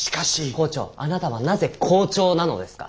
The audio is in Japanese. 校長あなたはなぜ校長なのですか。